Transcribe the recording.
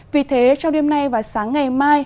vì thế trong đêm nay và sáng ngày mai